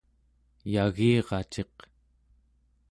yagiraciq